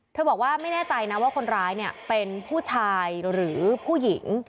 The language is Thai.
บอกว่าไม่แน่ใจนะว่าคนร้ายเนี่ยเป็นผู้ชายหรือผู้หญิง